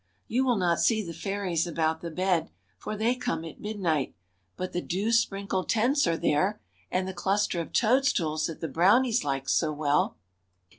You will not see the fairies about the bed, for they come at midnight, but the dew sprinkled tents are there, and the cluster of toadstools that the brownies like so well.